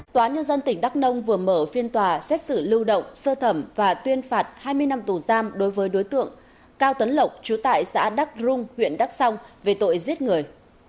tòa nhân dân tỉnh đắk nông vừa mở phiên tòa xét xử lưu động sơ thẩm và tuyên phạt hai mươi năm tù giam đối với đối tượng cao tấn lộc chú tại xã đắc rung huyện đắc song về tội giết người